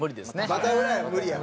バタフライは無理やわ。